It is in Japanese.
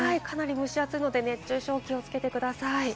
蒸し暑いので熱中症に気をつけてください。